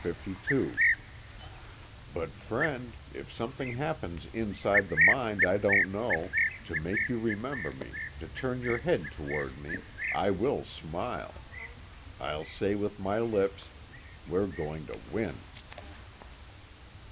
_But friend, if something happens inside the mind I don't know, to make you remember me, to turn your head toward me, I will smile. I'll say with my lips: "We're going to win."